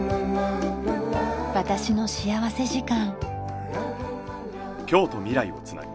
『私の幸福時間』。